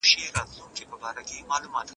نو به په هغه ورځ کيسه د بېوفا واخلمه